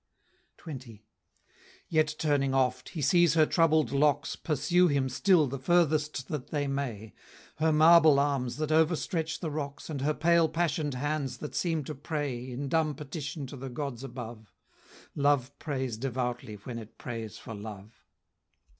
XX. Yet turning oft, he sees her troubled locks Pursue him still the furthest that they may; Her marble arms that overstretch the rocks, And her pale passion'd hands that seem to pray In dumb petition to the gods above: Love prays devoutly when it prays for love!